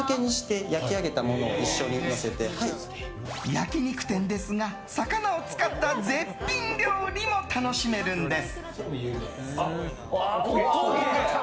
焼き肉店ですが魚を使った絶品料理も楽しめるんです。